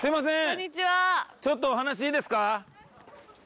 こんにちはちょっとお話いいですか？